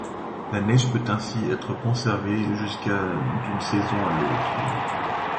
La neige peut ainsi être conservée jusqu'à d'une saison à l'autre.